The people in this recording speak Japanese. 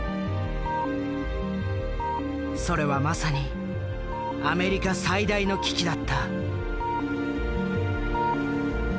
それはまさにアメリカ最大の危機だった。